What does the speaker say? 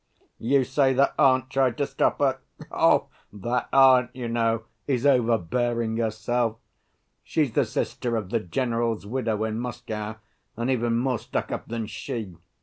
You say that aunt tried to stop her? That aunt, you know, is overbearing, herself. She's the sister of the general's widow in Moscow, and even more stuck‐up than she.